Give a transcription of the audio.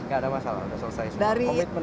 nggak ada masalah sudah selesai